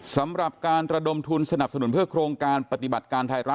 สำหรับการระดมทุนสนับสนุนเพื่อโครงการปฏิบัติการไทยรัฐ